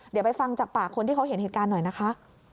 เดี๋ยวไปฟังจากปากคนที่เขาเห็นเหตุการณ์หน่อยนะคะ